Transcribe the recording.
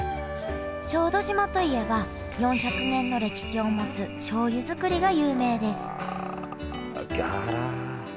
小豆島といえば４００年の歴史を持つしょうゆ造りが有名ですあら。